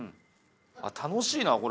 楽しいなこれ！